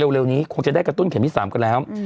เร็วนี้คงจะได้กระตุ้นเข็มที่๓กันแล้ว